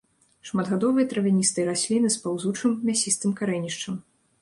Шматгадовыя травяністыя расліны з паўзучым, мясістым карэнішчам.